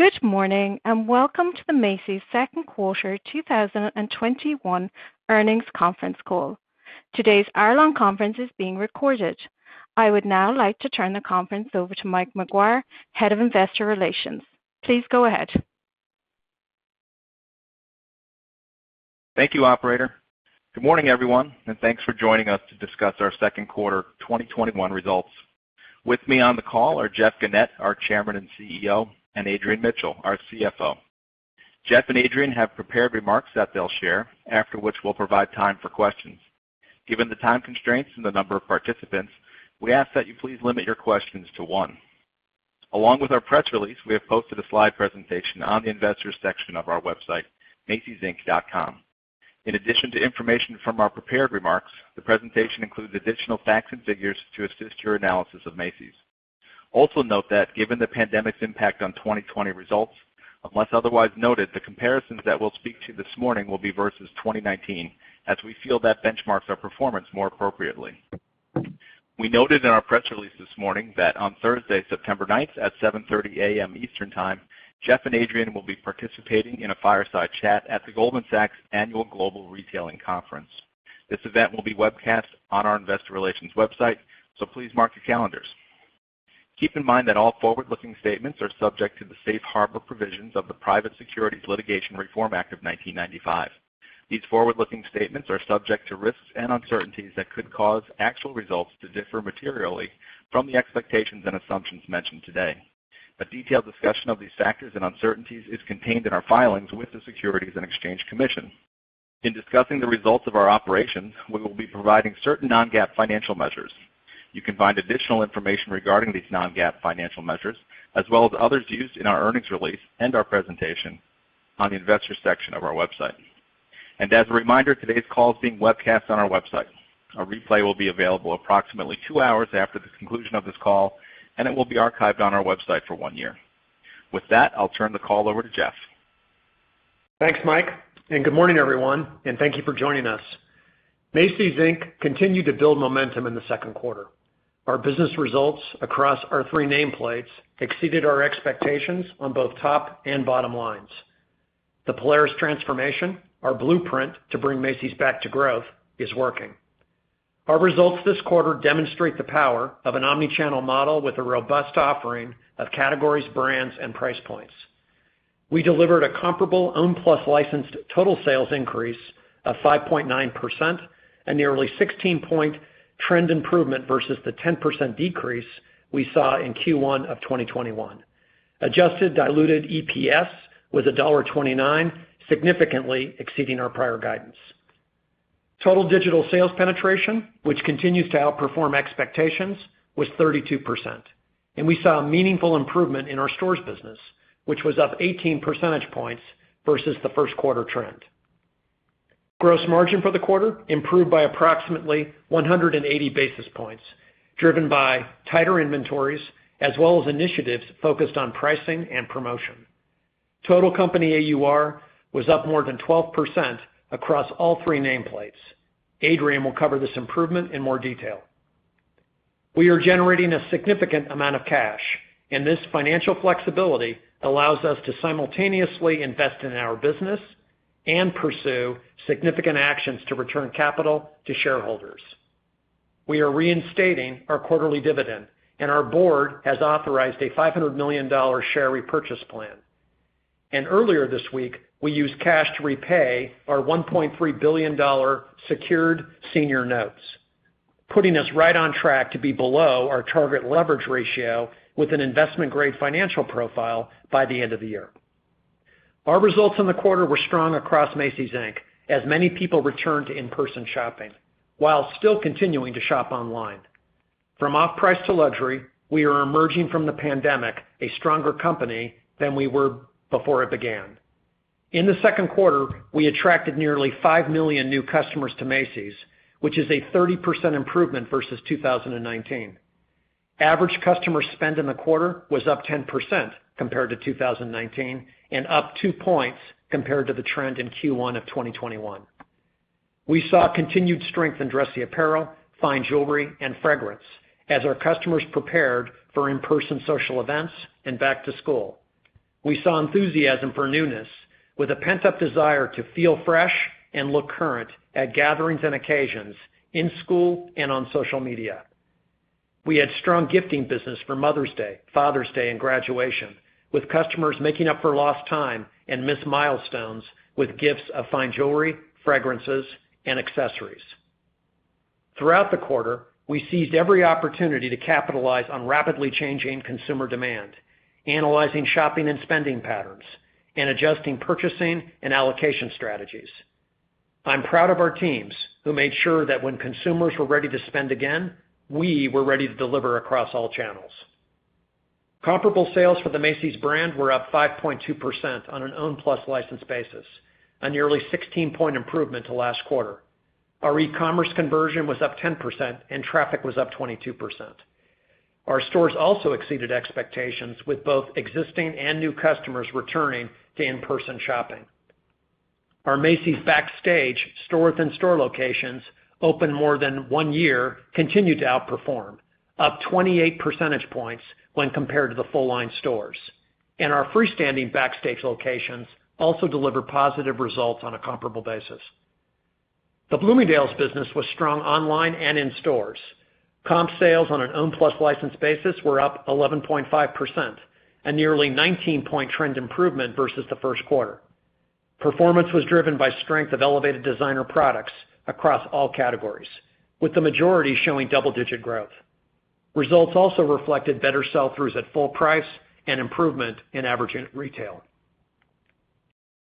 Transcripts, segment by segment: Good morning. Welcome to the Macy's second quarter 2021 earnings conference call. Today's hour-long conference is being recorded. I would now like to turn the conference over to Mike McGuire, Head of Investor Relations. Please go ahead. Thank you, operator. Good morning, everyone, and thanks for joining us to discuss our second quarter 2021 results. With me on the call are Jeff Gennette, our Chairman and CEO, and Adrian Mitchell, our CFO. Jeff and Adrian have prepared remarks that they'll share, after which we'll provide time for questions. Given the time constraints and the number of participants, we ask that you please limit your questions to one. Along with our press release, we have posted a slide presentation on the investors section of our website, macysinc.com. In addition to information from our prepared remarks, the presentation includes additional facts and figures to assist your analysis of Macy's. Also note that given the pandemic's impact on 2020 results, unless otherwise noted, the comparisons that we'll speak to this morning will be versus 2019, as we feel that benchmarks our performance more appropriately. We noted in our press release this morning that on Thursday, September 9th, at 7:30 A.M. Eastern Time, Jeff and Adrian will be participating in a fireside chat at the Goldman Sachs Annual Global Retailing Conference. This event will be webcast on our investor relations website, so please mark your calendars. Keep in mind that all forward-looking statements are subject to the safe harbor provisions of the Private Securities Litigation Reform Act of 1995. These forward-looking statements are subject to risks and uncertainties that could cause actual results to differ materially from the expectations and assumptions mentioned today. A detailed discussion of these factors and uncertainties is contained in our filings with the Securities and Exchange Commission. In discussing the results of our operations, we will be providing certain non-GAAP financial measures. You can find additional information regarding these non-GAAP financial measures, as well as others used in our earnings release and our presentation, on the investor section of our website. As a reminder, today's call is being webcast on our website. A replay will be available approximately two hours after the conclusion of this call, and it will be archived on our website for one year. With that, I'll turn the call over to Jeff. Thanks, Mike, and good morning, everyone, and thank you for joining us. Macy's, Inc continued to build momentum in the second quarter. Our business results across our three nameplates exceeded our expectations on both top and bottom lines. The Polaris transformation, our blueprint to bring Macy's back to growth, is working. Our results this quarter demonstrate the power of an omni-channel model with a robust offering of categories, brands, and price points. We delivered a comparable owned plus licensed total sales increase of 5.9% and nearly 16 point trend improvement versus the 10% decrease we saw in Q1 of 2021. Adjusted diluted EPS was $1.29, significantly exceeding our prior guidance. Total digital sales penetration, which continues to outperform expectations, was 32%. And we saw a meaningful improvement in our stores business, which was up 18 percentage points versus the first quarter trend. Gross margin for the quarter improved by approximately 180 basis points, driven by tighter inventories as well as initiatives focused on pricing and promotion. Total company AUR was up more than 12% across all three nameplates. Adrian will cover this improvement in more detail. We are generating a significant amount of cash, and this financial flexibility allows us to simultaneously invest in our business and pursue significant actions to return capital to shareholders. We are reinstating our quarterly dividend, and our board has authorized a $500 million share repurchase plan. Earlier this week, we used cash to repay our $1.3 billion secured senior notes, putting us right on track to be below our target leverage ratio with an investment-grade financial profile by the end of the year. Our results in the quarter were strong across Macy's, Inc, as many people returned to in-person shopping while still continuing to shop online. From off-price to luxury, we are emerging from the pandemic a stronger company than we were before it began. In the second quarter, we attracted nearly 5 million new customers to Macy's, which is a 30% improvement versus 2019. Average customer spend in the quarter was up 10% compared to 2019 and up 2 percentage points compared to the trend in Q1 of 2021. We saw continued strength in dressy apparel, fine jewelry, and fragrance as our customers prepared for in-person social events and back to school. We saw enthusiasm for newness with a pent-up desire to feel fresh and look current at gatherings and occasions in school and on social media. We had strong gifting business for Mother's Day, Father's Day, and graduation, with customers making up for lost time and missed milestones with gifts of fine jewelry, fragrances, and accessories. Throughout the quarter, we seized every opportunity to capitalize on rapidly changing consumer demand, analyzing shopping and spending patterns, and adjusting purchasing and allocation strategies. I'm proud of our teams who made sure that when consumers were ready to spend again, we were ready to deliver across all channels. Comparable sales for the Macy's brand were up 5.2% on an owned plus licensed basis, a nearly 16 point improvement to last quarter. Our e-commerce conversion was up 10% and traffic was up 22%. Our stores also exceeded expectations with both existing and new customers returning to in-person shopping. Our Macy's Backstage store-within-store locations open more than one year continue to outperform, up 28 percentage points when compared to the full-line stores. Our freestanding Backstage locations also deliver positive results on a comparable basis. The Bloomingdale's business was strong online and in stores. Comp sales on an owned plus licensed basis were up 11.5%, a nearly 19-point trend improvement versus the first quarter. Performance was driven by strength of elevated designer products across all categories, with the majority showing double-digit growth. Results also reflected better sell-throughs at full price and improvement in average unit retail.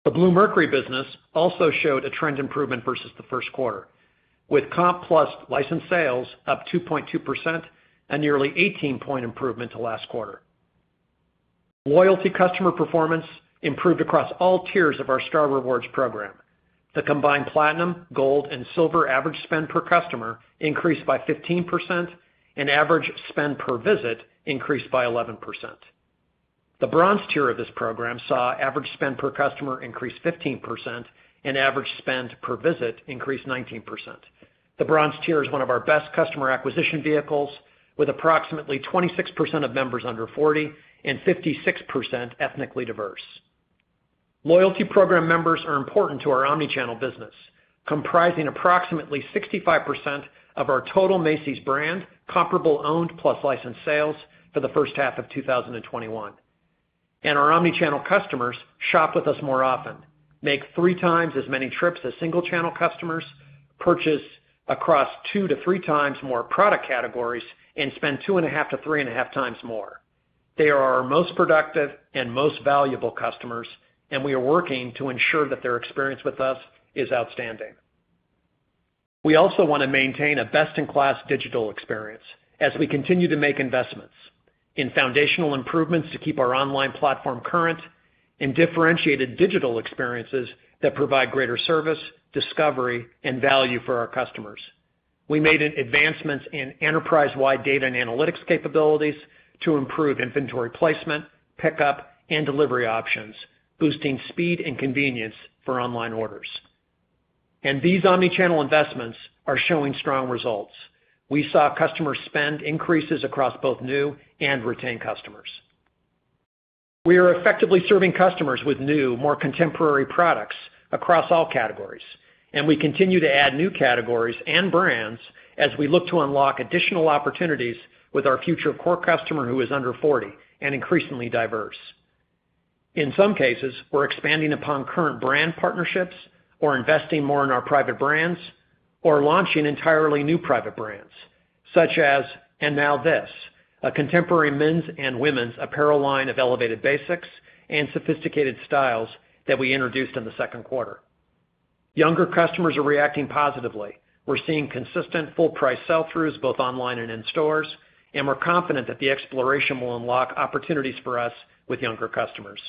The Bluemercury business also showed a trend improvement versus the first quarter, with comp plus licensed sales up 2.2% and nearly 18-point improvement to last quarter. Loyalty customer performance improved across all tiers of our Star Rewards program. The combined platinum, gold, and silver average spend per customer increased by 15%, and average spend per visit increased by 11%. The bronze tier of this program saw average spend per customer increase 15% and average spend per visit increase 19%. The bronze tier is one of our best customer acquisition vehicles, with approximately 26% of members under 40 and 56% ethnically diverse. Loyalty program members are important to our omnichannel business, comprising approximately 65% of our total Macy's brand comparable owned plus licensed sales for the first half of 2021. Our omnichannel customers shop with us more often, make 3x as many trips as single-channel customers, purchase across 2x-3x more product categories, and spend 2.5x-3.5x more. They are our most productive and most valuable customers, and we are working to ensure that their experience with us is outstanding. We also want to maintain a best-in-class digital experience as we continue to make investments in foundational improvements to keep our online platform current and differentiated digital experiences that provide greater service, discovery, and value for our customers. We made advancements in enterprise-wide data and analytics capabilities to improve inventory placement, pickup, and delivery options, boosting speed and convenience for online orders. These omnichannel investments are showing strong results. We saw customer spend increases across both new and retained customers. We are effectively serving customers with new, more contemporary products across all categories, and we continue to add new categories and brands as we look to unlock additional opportunities with our future core customer who is under 40 and increasingly diverse. In some cases, we're expanding upon current brand partnerships or investing more in our private brands or launching entirely new private brands such as And Now This, a contemporary men's and women's apparel line of elevated basics and sophisticated styles that we introduced in the second quarter. Younger customers are reacting positively. We're seeing consistent full price sell-throughs both online and in stores, and we're confident that the exploration will unlock opportunities for us with younger customers.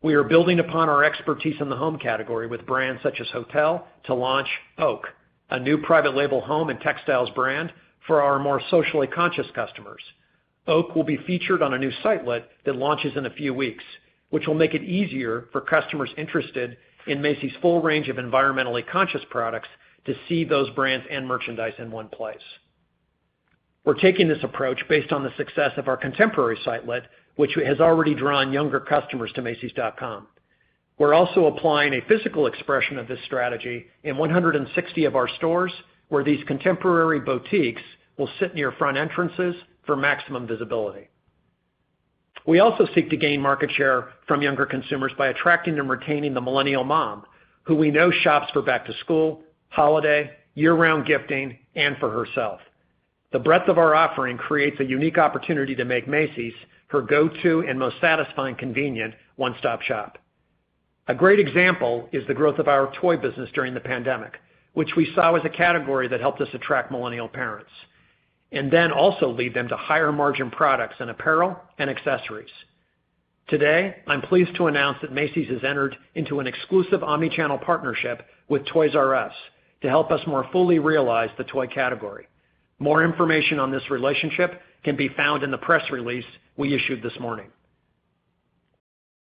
We are building upon our expertise in the home category with brands such as Hotel Collection to launch Oake, a new private label home and textiles brand for our more socially conscious customers. Oake will be featured on a new sitelet that launches in a few weeks, which will make it easier for customers interested in Macy's full range of environmentally conscious products to see those brands and merchandise in one place. We're taking this approach based on the success of our contemporary sitelet, which has already drawn younger customers to macys.com. We're also applying a physical expression of this strategy in 160 of our stores, where these contemporary boutiques will sit near front entrances for maximum visibility. We also seek to gain market share from younger consumers by attracting and retaining the millennial mom, who we know shops for back to school, holiday, year-round gifting, and for herself. The breadth of our offering creates a unique opportunity to make Macy's her go-to and most satisfying, convenient one-stop shop. A great example is the growth of our toy business during the pandemic, which we saw as a category that helped us attract millennial parents and then also lead them to higher-margin products in apparel and accessories. Today, I'm pleased to announce that Macy's has entered into an exclusive omnichannel partnership with Toys"R"Us to help us more fully realize the toy category. More information on this relationship can be found in the press release we issued this morning.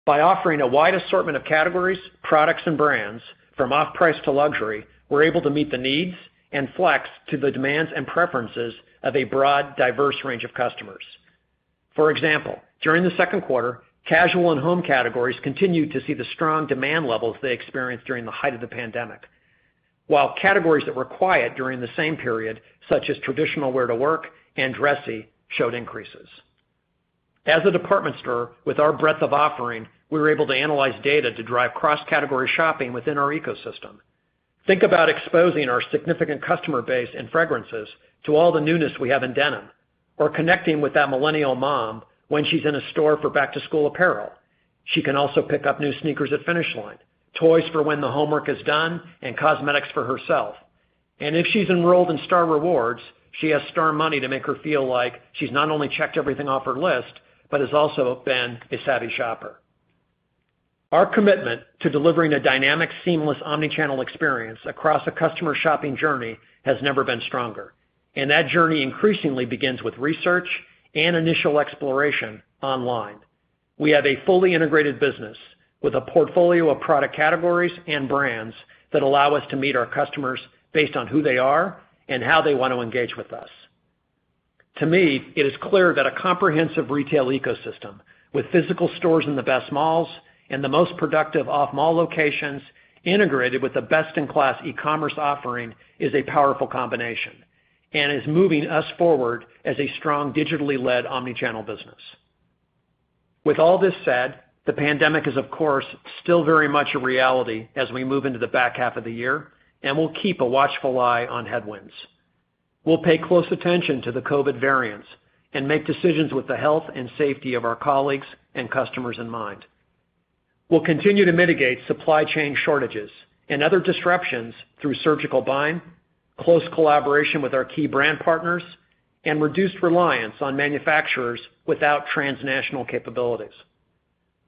By offering a wide assortment of categories, products, and brands from off-price to luxury, we're able to meet the needs and flex to the demands and preferences of a broad, diverse range of customers. For example, during the second quarter, casual and home categories continued to see the strong demand levels they experienced during the height of the pandemic. While categories that were quiet during the same period, such as traditional wear to work and dressy, showed increases. As a department store with our breadth of offering, we were able to analyze data to drive cross-category shopping within our ecosystem. Think about exposing our significant customer base and fragrances to all the newness we have in denim, or connecting with that millennial mom when she's in a store for back-to-school apparel. She can also pick up new sneakers at Finish Line, toys for when the homework is done, and cosmetics for herself. If she's enrolled in Star Rewards, she has Star Money to make her feel like she's not only checked everything off her list but has also been a savvy shopper. Our commitment to delivering a dynamic, seamless omnichannel experience across a customer shopping journey has never been stronger. That journey increasingly begins with research and initial exploration online. We have a fully integrated business with a portfolio of product categories and brands that allow us to meet our customers based on who they are and how they want to engage with us. To me, it is clear that a comprehensive retail ecosystem with physical stores in the best malls and the most productive off-mall locations, integrated with a best-in-class e-commerce offering is a powerful combination and is moving us forward as a strong digitally-led omni-channel business. With all this said, the pandemic is, of course, still very much a reality as we move into the back half of the year, and we'll keep a watchful eye on headwinds. We'll pay close attention to the COVID variants and make decisions with the health and safety of our colleagues and customers in mind. We'll continue to mitigate supply chain shortages and other disruptions through surgical buying, close collaboration with our key brand partners, and reduced reliance on manufacturers without transnational capabilities.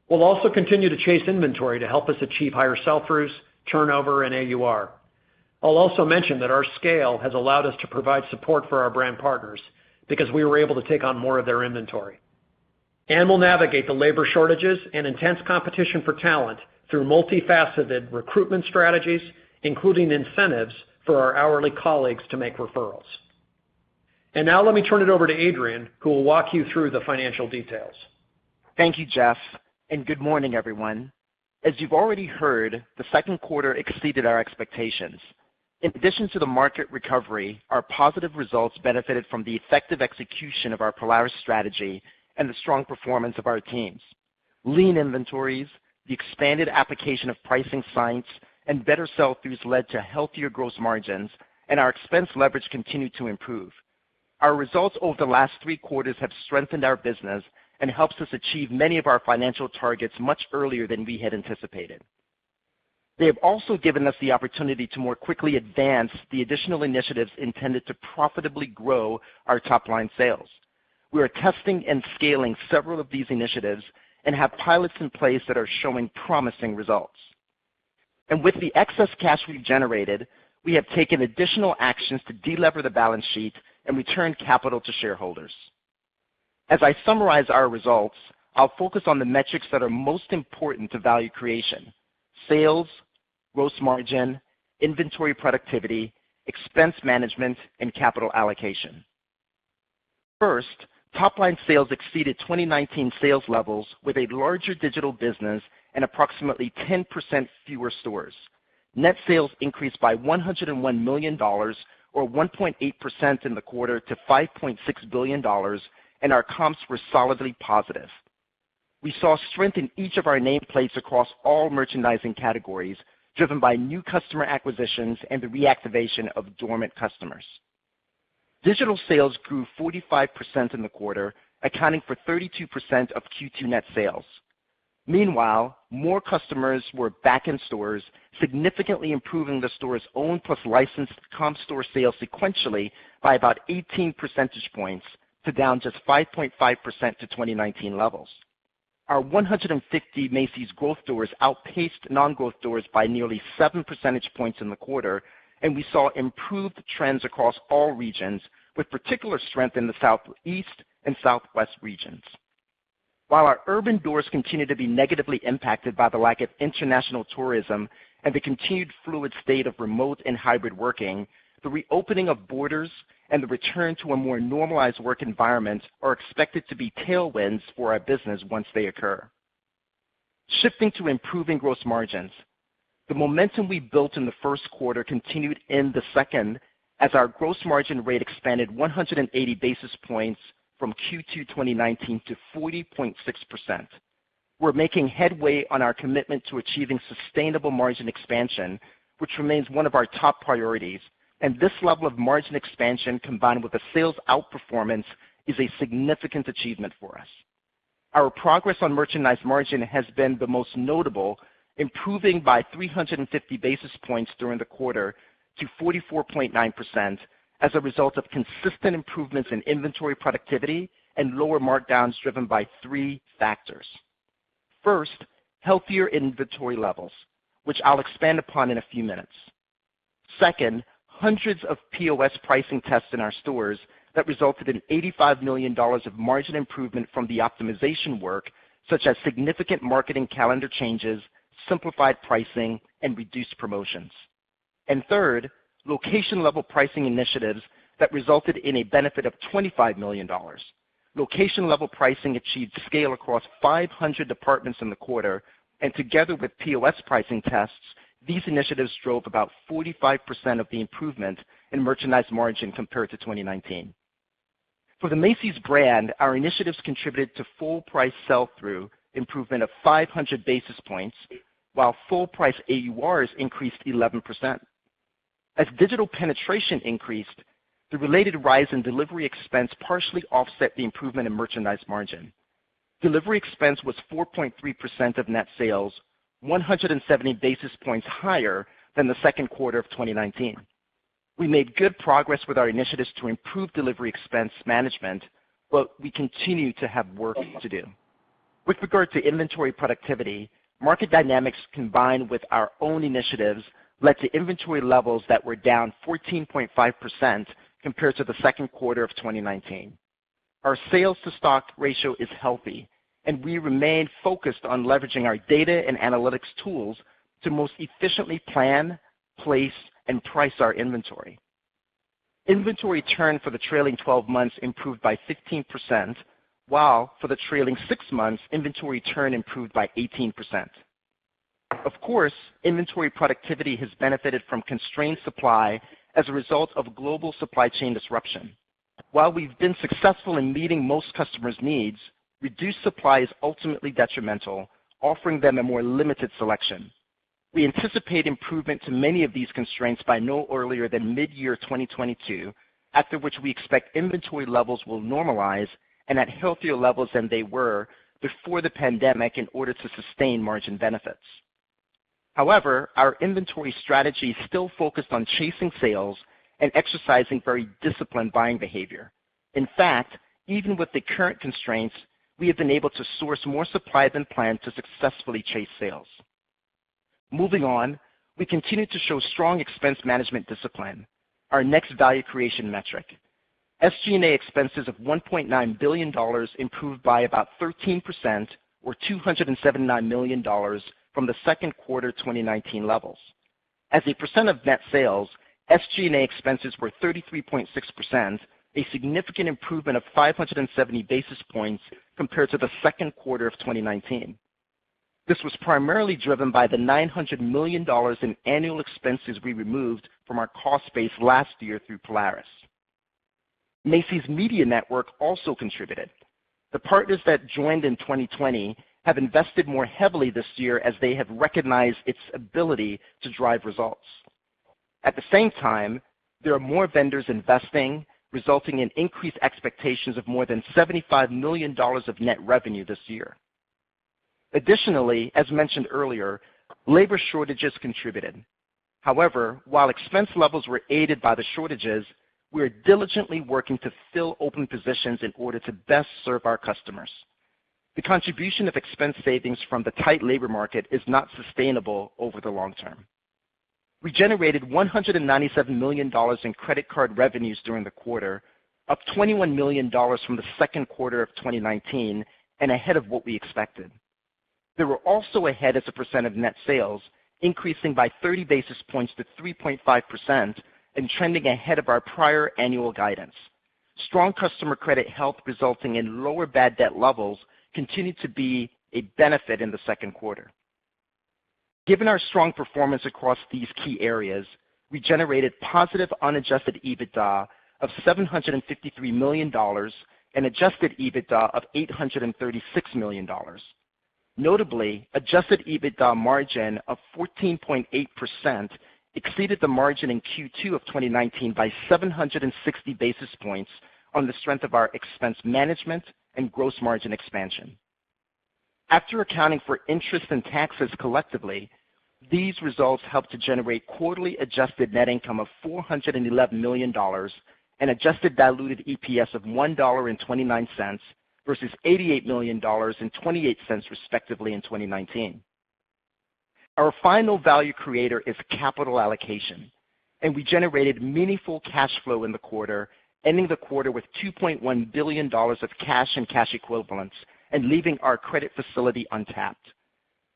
We'll also continue to chase inventory to help us achieve higher sell-throughs, turnover, and AUR. I'll also mention that our scale has allowed us to provide support for our brand partners because we were able to take on more of their inventory. We'll navigate the labor shortages and intense competition for talent through multifaceted recruitment strategies, including incentives for our hourly colleagues to make referrals. Now let me turn it over to Adrian, who will walk you through the financial details. Thank you, Jeff, and good morning, everyone. As you've already heard, the second quarter exceeded our expectations. In addition to the market recovery, our positive results benefited from the effective execution of our Polaris strategy and the strong performance of our teams. Lean inventories, the expanded application of pricing science, and better sell-throughs led to healthier gross margins, and our expense leverage continued to improve. Our results over the last three quarters have strengthened our business and helps us achieve many of our financial targets much earlier than we had anticipated. They have also given us the opportunity to more quickly advance the additional initiatives intended to profitably grow our top-line sales. We are testing and scaling several of these initiatives and have pilots in place that are showing promising results. With the excess cash we've generated, we have taken additional actions to delever the balance sheet and return capital to shareholders. As I summarize our results, I'll focus on the metrics that are most important to value creation: sales, gross margin, inventory productivity, expense management, and capital allocation. First, top-line sales exceeded 2019 sales levels with a larger digital business and approximately 10% fewer stores. Net sales increased by $101 million, or 1.8% in the quarter, to $5.6 billion, and our comps were solidly positive. We saw strength in each of our nameplates across all merchandising categories, driven by new customer acquisitions and the reactivation of dormant customers. Digital sales grew 45% in the quarter, accounting for 32% of Q2 net sales. Meanwhile, more customers were back in stores, significantly improving the store's owned plus licensed comp store sales sequentially by about 18 percentage points to down just 5.5% to 2019 levels. Our 150 Macy's growth stores outpaced non-growth stores by nearly 7 percentage points in the quarter, we saw improved trends across all regions, with particular strength in the Southeast and Southwest regions. While our urban stores continue to be negatively impacted by the lack of international tourism and the continued fluid state of remote and hybrid working, the reopening of borders and the return to a more normalized work environment are expected to be tailwinds for our business once they occur. Shifting to improving gross margins. The momentum we built in the first quarter continued in the second as our gross margin rate expanded 180 basis points from Q2 2019 to 40.6%. We're making headway on our commitment to achieving sustainable margin expansion, which remains one of our top priorities. This level of margin expansion, combined with the sales outperformance, is a significant achievement for us. Our progress on merchandise margin has been the most notable, improving by 350 basis points during the quarter to 44.9% as a result of consistent improvements in inventory productivity and lower markdowns driven by three factors. First, healthier inventory levels, which I'll expand upon in a few minutes. Second, hundreds of POS pricing tests in our stores that resulted in $85 million of margin improvement from the optimization work, such as significant marketing calendar changes, simplified pricing, and reduced promotions. Third, location-level pricing initiatives that resulted in a benefit of $25 million. Location-level pricing achieved scale across 500 departments in the quarter. Together with POS pricing tests, these initiatives drove about 45% of the improvement in merchandise margin compared to 2019. For the Macy's brand, our initiatives contributed to full price sell-through improvement of 500 basis points, while full price AURs increased 11%. As digital penetration increased, the related rise in delivery expense partially offset the improvement in merchandise margin. Delivery expense was 4.3% of net sales, 170 basis points higher than the second quarter of 2019. We made good progress with our initiatives to improve delivery expense management. We continue to have work to do. With regard to inventory productivity, market dynamics combined with our own initiatives led to inventory levels that were down 14.5% compared to the second quarter of 2019. Our sales to stock ratio is healthy, and we remain focused on leveraging our data and analytics tools to most efficiently plan, place, and price our inventory. Inventory turn for the trailing 12 months improved by 15%, while for the trailing six months, inventory turn improved by 18%. Of course, inventory productivity has benefited from constrained supply as a result of global supply chain disruption. While we've been successful in meeting most customers' needs, reduced supply is ultimately detrimental, offering them a more limited selection. We anticipate improvement to many of these constraints by no earlier than mid-year 2022, after which we expect inventory levels will normalize and at healthier levels than they were before the pandemic in order to sustain margin benefits. Our inventory strategy is still focused on chasing sales and exercising very disciplined buying behavior. In fact, even with the current constraints, we have been able to source more supply than planned to successfully chase sales. Moving on, we continue to show strong expense management discipline, our next value creation metric. SG&A expenses of $1.9 billion improved by about 13%, or $279 million, from the second quarter 2019 levels. As a percent of net sales, SG&A expenses were 33.6%, a significant improvement of 570 basis points compared to the second quarter of 2019. This was primarily driven by the $900 million in annual expenses we removed from our cost base last year through Polaris. Macy's Media Network also contributed. The partners that joined in 2020 have invested more heavily this year as they have recognized its ability to drive results. At the same time, there are more vendors investing, resulting in increased expectations of more than $75 million of net revenue this year. Additionally, as mentioned earlier, labor shortages contributed. However, while expense levels were aided by the shortages, we are diligently working to fill open positions in order to best serve our customers. The contribution of expense savings from the tight labor market is not sustainable over the long term. We generated $197 million in credit card revenues during the quarter, up $21 million from the second quarter of 2019 and ahead of what we expected. They were also ahead as a percent of net sales, increasing by 30 basis points to 3.5% and trending ahead of our prior annual guidance. Strong customer credit health resulting in lower bad debt levels continued to be a benefit in the second quarter. Given our strong performance across these key areas, we generated positive unadjusted EBITDA of $753 million and adjusted EBITDA of $836 million. Notably, adjusted EBITDA margin of 14.8% exceeded the margin in Q2 of 2019 by 760 basis points on the strength of our expense management and gross margin expansion. After accounting for interest and taxes collectively, these results helped to generate quarterly adjusted net income of $411 million and adjusted diluted EPS of $1.29 versus $88 million and $0.28 respectively in 2019. Our final value creator is capital allocation, and we generated meaningful cash flow in the quarter, ending the quarter with $2.1 billion of cash and cash equivalents and leaving our credit facility untapped.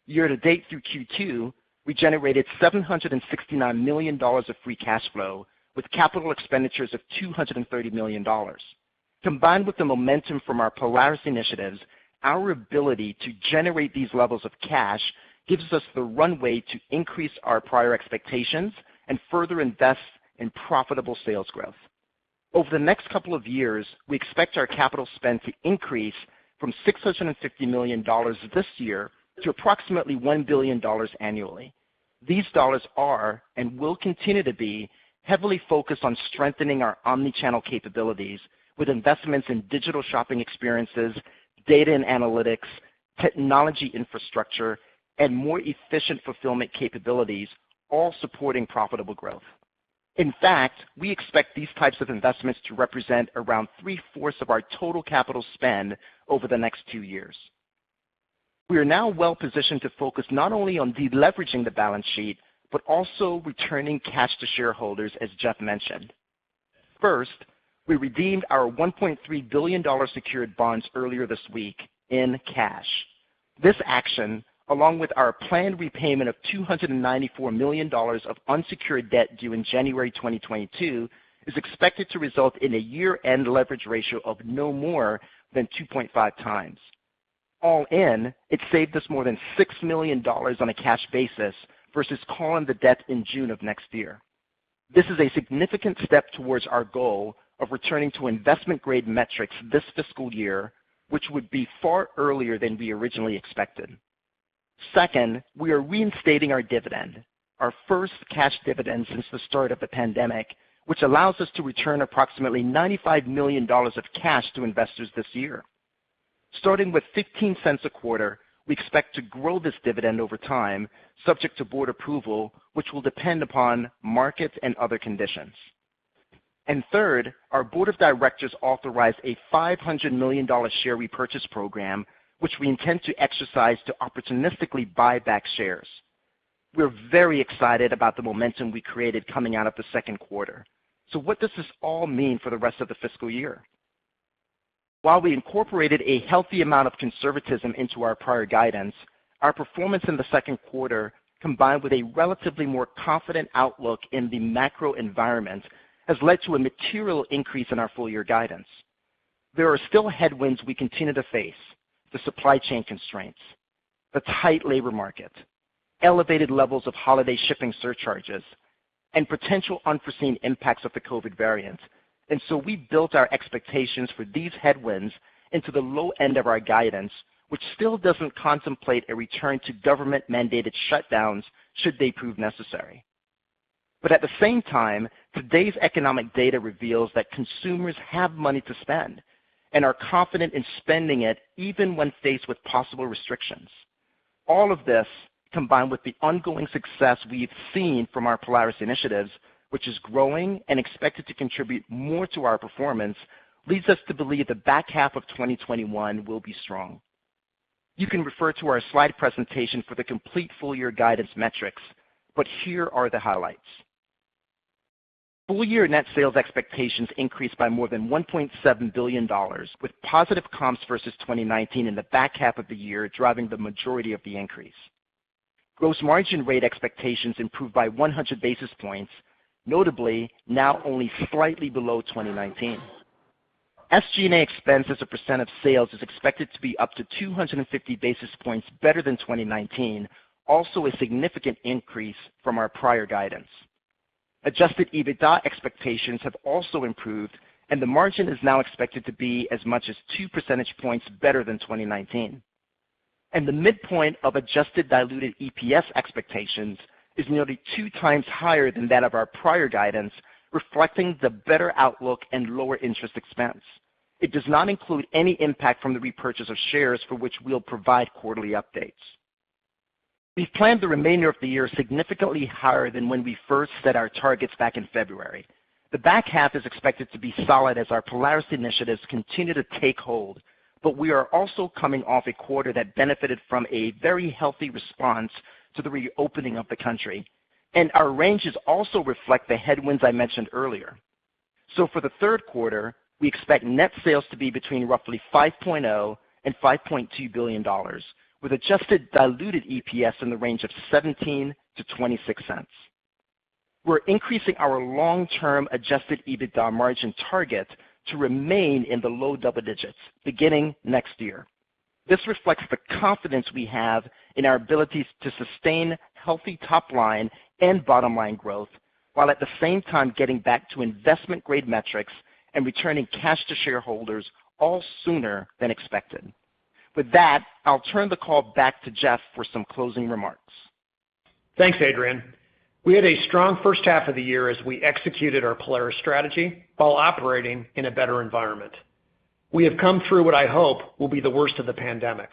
Year-to-date through Q2, we generated $769 million of free cash flow with capital expenditures of $230 million. Combined with the momentum from our Polaris initiatives, our ability to generate these levels of cash gives us the runway to increase our prior expectations and further invest in profitable sales growth. Over the next couple of years, we expect our capital spend to increase from $650 million this year to approximately $1 billion annually. These dollars are and will continue to be heavily focused on strengthening our omnichannel capabilities with investments in digital shopping experiences, data and analytics, technology infrastructure, and more efficient fulfillment capabilities, all supporting profitable growth. In fact, we expect these types of investments to represent around 3/4 of our total capital spend over the next two years. We are now well-positioned to focus not only on deleveraging the balance sheet, but also returning cash to shareholders, as Jeff mentioned. First, we redeemed our $1.3 billion secured bonds earlier this week in cash. This action, along with our planned repayment of $294 million of unsecured debt due in January 2022, is expected to result in a year-end leverage ratio of no more than 2.5x. All in, it saved us more than $6 million on a cash basis versus calling the debt in June of next year. This is a significant step towards our goal of returning to investment-grade metrics this fiscal year, which would be far earlier than we originally expected. We are reinstating our dividend, our first cash dividend since the start of the pandemic, which allows us to return approximately $95 million of cash to investors this year. Starting with $0.15 a quarter, we expect to grow this dividend over time, subject to board approval, which will depend upon markets and other conditions. Third, our board of directors authorized a $500 million share repurchase program, which we intend to exercise to opportunistically buy back shares. We're very excited about the momentum we created coming out of the second quarter. What does this all mean for the rest of the fiscal year? While we incorporated a healthy amount of conservatism into our prior guidance, our performance in the second quarter, combined with a relatively more confident outlook in the macro environment, has led to a material increase in our full-year guidance. There are still headwinds we continue to face. The supply chain constraints, the tight labor market, elevated levels of holiday shipping surcharges, and potential unforeseen impacts of the COVID variant. We built our expectations for these headwinds into the low end of our guidance, which still doesn't contemplate a return to government-mandated shutdowns should they prove necessary. At the same time, today's economic data reveals that consumers have money to spend and are confident in spending it, even when faced with possible restrictions. All of this, combined with the ongoing success we've seen from our Polaris initiatives, which is growing and expected to contribute more to our performance, leads us to believe the back half of 2021 will be strong. You can refer to our slide presentation for the complete full-year guidance metrics. Here are the highlights. Full-year net sales expectations increased by more than $1.7 billion, with positive comps versus 2019 in the back half of the year, driving the majority of the increase. Gross margin rate expectations improved by 100 basis points, notably now only slightly below 2019. SG&A expense as a % of sales is expected to be up to 250 basis points better than 2019, also a significant increase from our prior guidance. Adjusted EBITDA expectations have also improved. The margin is now expected to be as much as 2 percentage points better than 2019. The midpoint of adjusted diluted EPS expectations is nearly 2x higher than that of our prior guidance, reflecting the better outlook and lower interest expense. It does not include any impact from the repurchase of shares for which we'll provide quarterly updates. We've planned the remainder of the year significantly higher than when we first set our targets back in February. The back half is expected to be solid as our Polaris initiatives continue to take hold, but we are also coming off a quarter that benefited from a very healthy response to the reopening of the country, and our ranges also reflect the headwinds I mentioned earlier. For the third quarter, we expect net sales to be between roughly $5.0 billion and $5.2 billion, with adjusted diluted EPS in the range of $0.17-$0.26. We're increasing our long-term adjusted EBITDA margin target to remain in the low double digits beginning next year. This reflects the confidence we have in our ability to sustain healthy top-line and bottom-line growth, while at the same time getting back to investment-grade metrics and returning cash to shareholders all sooner than expected. With that, I'll turn the call back to Jeff for some closing remarks. Thanks, Adrian. We had a strong first half of the year as we executed our Polaris strategy while operating in a better environment. We have come through what I hope will be the worst of the pandemic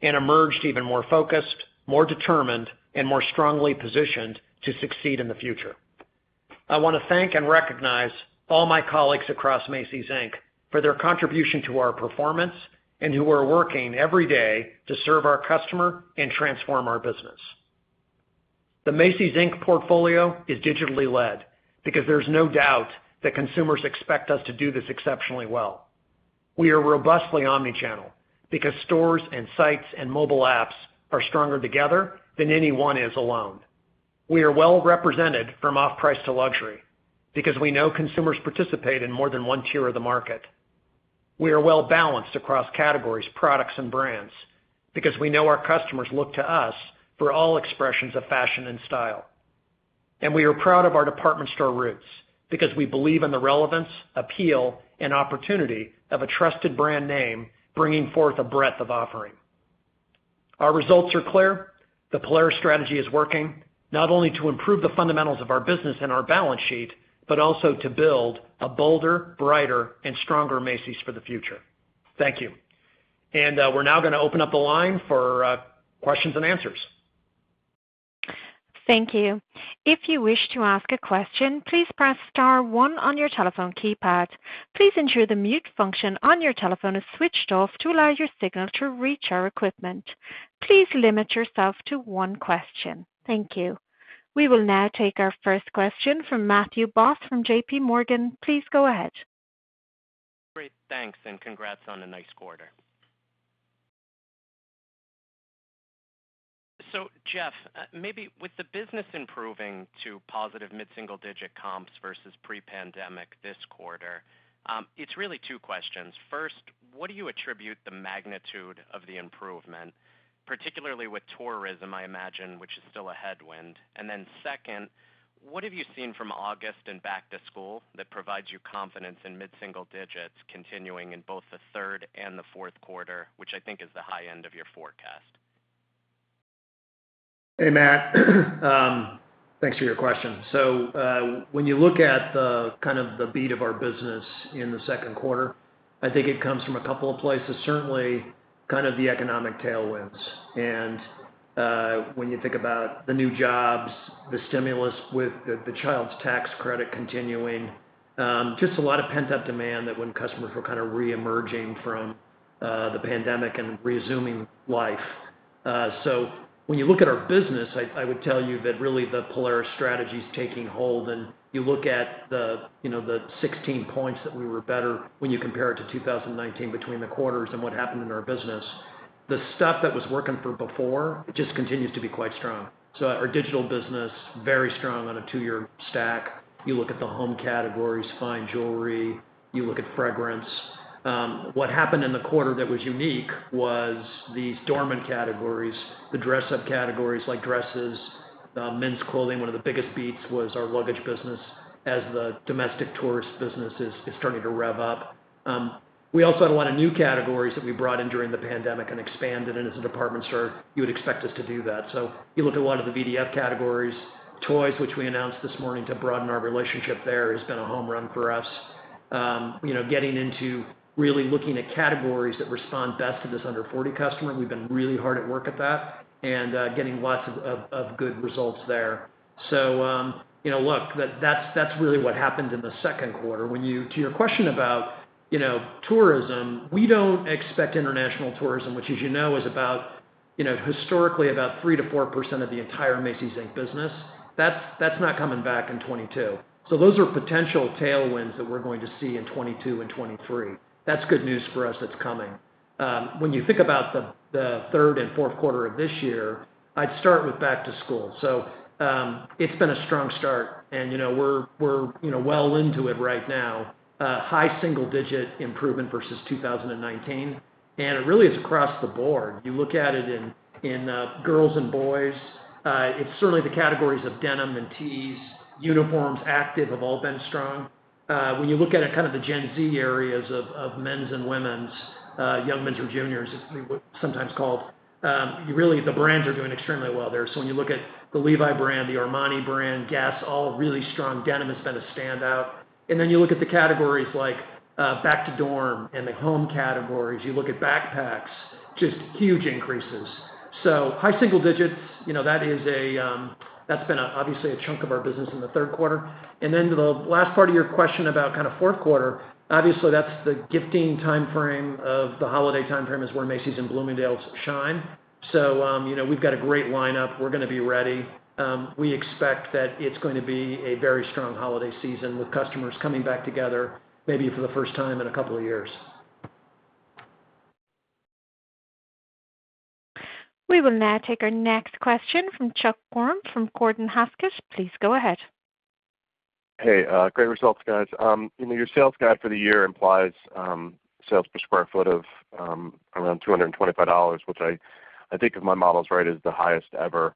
and emerged even more focused, more determined, and more strongly positioned to succeed in the future. I want to thank and recognize all my colleagues across Macy's, Inc for their contribution to our performance and who are working every day to serve our customer and transform our business. The Macy's, Inc portfolio is digitally led because there's no doubt that consumers expect us to do this exceptionally well. We are robustly omni-channel because stores and sites and mobile apps are stronger together than any one is alone. We are well-represented from off-price to luxury because we know consumers participate in more than one tier of the market. We are well-balanced across categories, products, and brands because we know our customers look to us for all expressions of fashion and style. We are proud of our department store roots because we believe in the relevance, appeal, and opportunity of a trusted brand name bringing forth a breadth of offering. Our results are clear. The Polaris strategy is working, not only to improve the fundamentals of our business and our balance sheet, but also to build a bolder, brighter, and stronger Macy's for the future. Thank you. We're now going to open up the line for questions and answers. Thank you. If you wish to ask a question, please press star one on your telephone keypad. Please ensure the mute function on your telephone is switched off to allow your signal to reach our equipment. Please limit yourself to one question. Thank you. We will now take our first question from Matthew Boss from JPMorgan. Please go ahead. Great. Thanks and congrats on a nice quarter. Jeff, maybe with the business improving to positive mid-single-digit comps versus pre-pandemic this quarter, it's really two questions. First, what do you attribute the magnitude of the improvement, particularly with tourism, I imagine, which is still a headwind? Then second, what have you seen from August and back to school that provides you confidence in mid-single digits continuing in both the third and the fourth quarter, which I think is the high end of your forecast? Hey, Matt. Thanks for your question. When you look at the beat of our business in the second quarter, I think it comes from a couple of places. Certainly, the economic tailwinds. When you think about the new jobs, the stimulus with the child tax credit continuing, just a lot of pent-up demand that when customers were re-emerging from the pandemic and resuming life. When you look at our business, I would tell you that really the Polaris strategy's taking hold, and you look at the 16 points that we were better when you compare it to 2019 between the quarters and what happened in our business. The stuff that was working for before just continues to be quite strong. Our digital business, very strong on a two-year stack. You look at the home categories, fine jewelry, you look at fragrance. What happened in the quarter that was unique was these dormant categories, the dress-up categories like dresses, men's clothing. One of the biggest beats was our luggage business as the domestic tourist business is starting to rev up. We also had a lot of new categories that we brought in during the pandemic and expanded. As a department store, you would expect us to do that. You look at a lot of the VDF categories, Toys"R"Us, which we announced this morning to broaden our relationship there, has been a home run for us. Getting into really looking at categories that respond best to this under 40 customer. We've been really hard at work at that and getting lots of good results there. Look, that's really what happened in the second quarter. To your question about tourism, we don't expect international tourism, which as you know, is historically about 3%-4% of the entire Macy's, Inc business. That's not coming back in 2022. Those are potential tailwinds that we're going to see in 2022 and 2023. That's good news for us that's coming. When you think about the third and fourth quarter of this year, I'd start with back to school. It's been a strong start, and we're well into it right now. High single-digit improvement versus 2019, and it really is across the board. You look at it in girls and boys. It's certainly the categories of denim and tees, uniforms, active, have all been strong. When you look at the Gen Z areas of men's and women's, young men's or juniors, as they're sometimes called, really the brands are doing extremely well there. When you look at the Levi's brand, the Armani brand, Guess, all really strong. Denim has been a standout. You look at the categories like back to dorm and the home categories. You look at backpacks, just huge increases. High single digits, that's been obviously a chunk of our business in the third quarter. To the last part of your question about fourth quarter, obviously that's the gifting timeframe of the holiday timeframe is where Macy's and Bloomingdale's shine. We've got a great lineup. We're going to be ready. We expect that it's going to be a very strong holiday season with customers coming back together, maybe for the first time in a couple of years. We will now take our next question from Chuck Grom from Gordon Haskett. Please go ahead. Hey, great results, guys. Your sales guide for the year implies sales per square foot of around $225, which I think if my model's right, is the highest ever.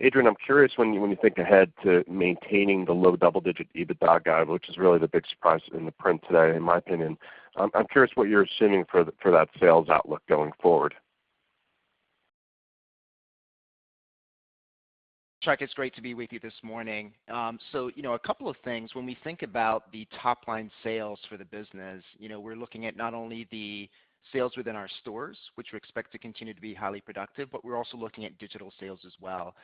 Adrian, I'm curious when you think ahead to maintaining the low double-digit EBITDA guide, which is really the big surprise in the print today, in my opinion. I'm curious what you're assuming for that sales outlook going forward. Chuck, it's great to be with you this morning. A couple of things, when we think about the top-line sales for the business, we're looking at not only the sales within our stores, which we expect to continue to be highly productive, but we're also looking at digital sales as well.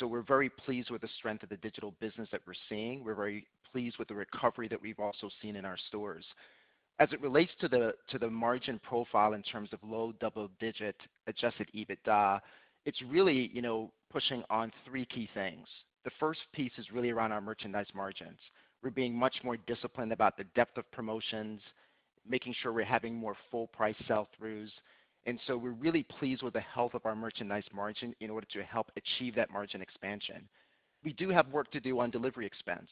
We're very pleased with the strength of the digital business that we're seeing. We're very pleased with the recovery that we've also seen in our stores. As it relates to the margin profile in terms of low double-digit adjusted EBITDA, it's really pushing on three key things. The first piece is really around our merchandise margins. We're being much more disciplined about the depth of promotions, making sure we're having more full price sell-throughs, we're really pleased with the health of our merchandise margin in order to help achieve that margin expansion. We do have work to do on delivery expense.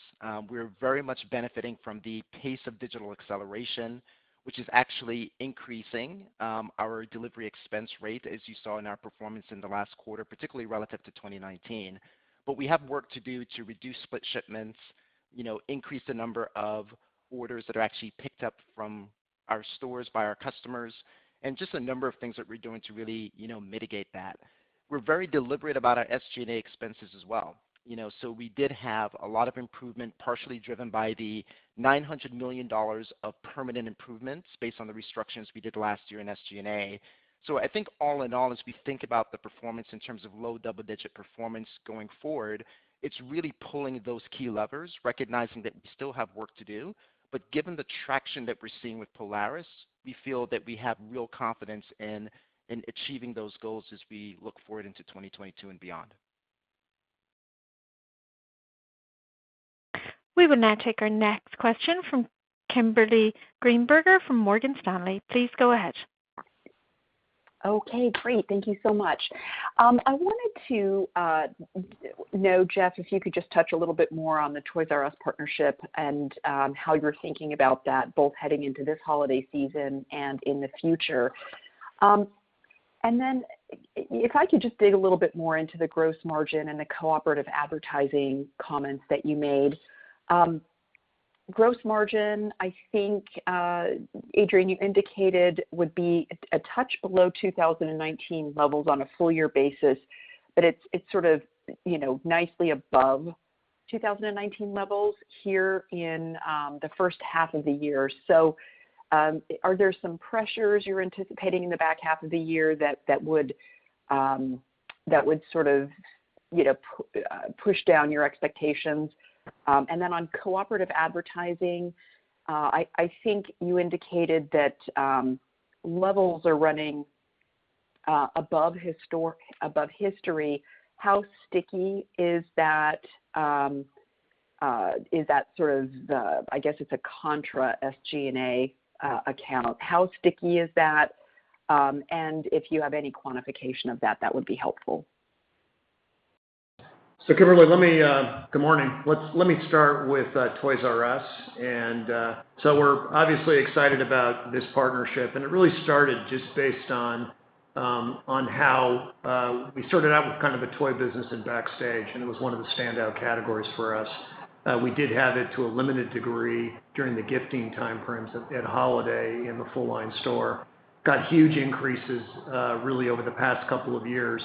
We're very much benefiting from the pace of digital acceleration, which is actually increasing our delivery expense rate, as you saw in our performance in the last quarter, particularly relative to 2019. We have work to do to reduce split shipments, increase the number of orders that are actually picked up from our stores by our customers, and just a number of things that we're doing to really mitigate that. We're very deliberate about our SG&A expenses as well. We did have a lot of improvement, partially driven by the $900 million of permanent improvements based on the restructurings we did last year in SG&A. I think all in all, as we think about the performance in terms of low double-digit performance going forward, it's really pulling those key levers, recognizing that we still have work to do, but given the traction that we're seeing with Polaris, we feel that we have real confidence in achieving those goals as we look forward into 2022 and beyond. We will now take our next question from Kimberly Greenberger from Morgan Stanley. Please go ahead. Okay, great. Thank you so much. I wanted to know, Jeff, if you could just touch a little bit more on the Toys"R"Us partnership and how you're thinking about that, both heading into this holiday season and in the future. If I could just dig a little bit more into the gross margin and the cooperative advertising comments that you made. Gross margin, I think, Adrian, you indicated would be a touch below 2019 levels on a full-year basis, but it's sort of nicely above 2019 levels here in the first half of the year. Are there some pressures you're anticipating in the back half of the year that would push down your expectations? On cooperative advertising, I think you indicated that levels are running above history. How sticky is that sort of the I guess it's a contra SG&A account. How sticky is that? If you have any quantification of that would be helpful. Kimberly, good morning. Let me start with Toys"R"Us. We're obviously excited about this partnership, and it really started just based on how we started out with kind of a toy business in Backstage, and it was one of the standout categories for us. We did have it to a limited degree during the gifting time frames at holiday in the full line store. Got huge increases really over the past two years.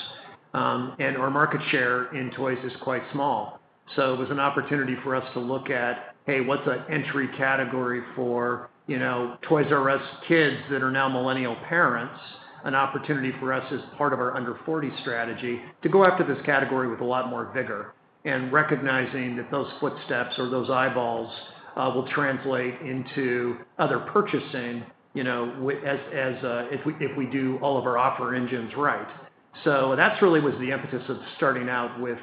Our market share in toys is quite small. It was an opportunity for us to look at, hey, what's an entry category for Toys"R"Us kids that are now millennial parents, an opportunity for us as part of our under 40 strategy to go after this category with a lot more vigor, and recognizing that those footsteps or those eyeballs will translate into other purchasing, if we do all of our offer engines right. That's really was the impetus of starting out with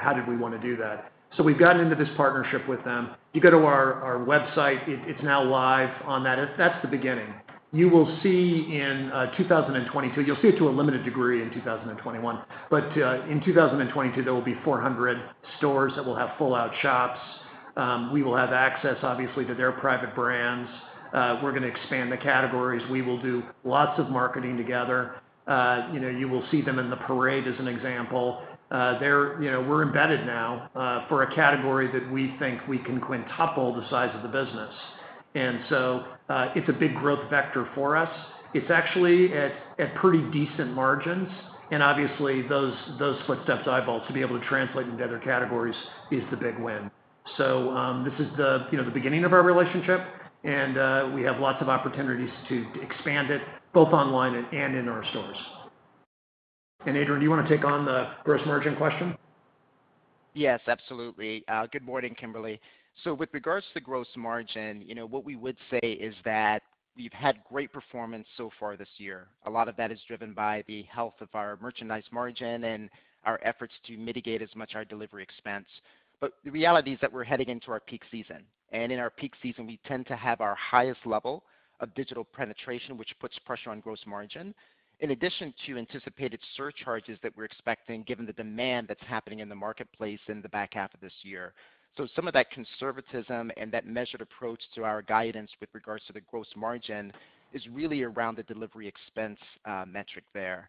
how did we want to do that. We've gotten into this partnership with them. You go to our website, it's now live on that. That's the beginning. You will see in 2022, you'll see it to a limited degree in 2021. In 2022, there will be 400 stores that will have full-out shops. We will have access, obviously, to their private brands. We're going to expand the categories. We will do lots of marketing together. You will see them in the parade, as an example. We're embedded now, for a category that we think we can quintuple the size of the business. It's a big growth vector for us. It's actually at pretty decent margins, and obviously those footsteps, eyeballs to be able to translate into other categories is the big win. This is the beginning of our relationship and we have lots of opportunities to expand it both online and in our stores. Adrian, do you want to take on the gross margin question? Yes, absolutely. Good morning, Kimberly. With regards to gross margin, what we would say is that we've had great performance so far this year. A lot of that is driven by the health of our merchandise margin and our efforts to mitigate as much our delivery expense. The reality is that we're heading into our peak season, and in our peak season, we tend to have our highest level of digital penetration, which puts pressure on gross margin, in addition to anticipated surcharges that we're expecting given the demand that's happening in the marketplace in the back half of this year. Some of that conservatism and that measured approach to our guidance with regards to the gross margin is really around the delivery expense metric there.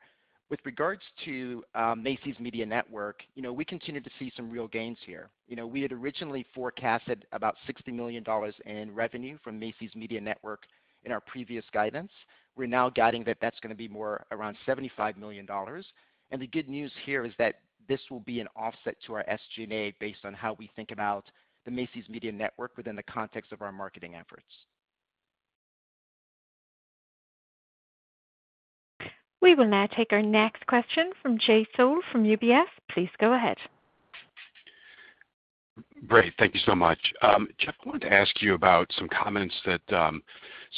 With regards to Macy's Media Network, we continue to see some real gains here. We had originally forecasted about $60 million in revenue from Macy's Media Network in our previous guidance. We're now guiding that that's going to be more around $75 million. The good news here is that this will be an offset to our SG&A based on how we think about the Macy's Media Network within the context of our marketing efforts. We will now take our next question from Jay Sole from UBS. Please go ahead. Great. Thank you so much. Jeff, I wanted to ask you about some comments that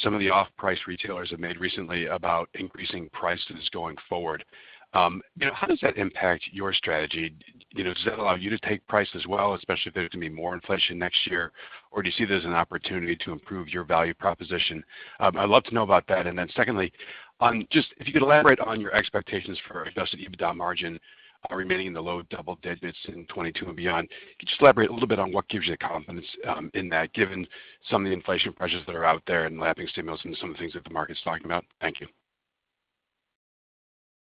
some of the off-price retailers have made recently about increasing prices going forward. How does that impact your strategy? Does that allow you to take price as well, especially if there's going to be more inflation next year? Or do you see there's an opportunity to improve your value proposition? I'd love to know about that. Secondly, if you could elaborate on your expectations for adjusted EBITDA margin remaining in the low double digits in 2022 and beyond. Could you just elaborate a little bit on what gives you the confidence in that, given some of the inflation pressures that are out there and lapping stimulus and some of the things that the market's talking about? Thank you.